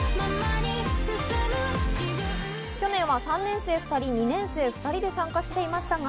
去年は３年生２人、二年生２人で参加していましたが。